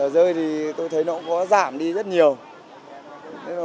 rơi thì tôi thấy nó cũng có giảm đi rất nhiều